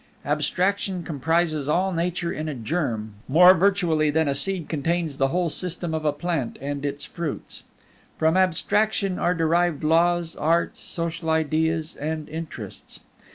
Abstraction comprises all nature in a germ, more virtually than a seed contains the whole system of a plant and its fruits. From Abstraction are derived laws, arts, social ideas, and interests.